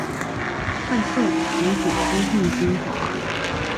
快速提取資訊精華